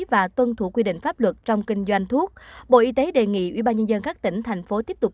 và tuân thủ quy định pháp luật trong kinh doanh thuốc bộ y tế đề nghị ủy ba nhân dân các tỉnh thành phố tiếp tục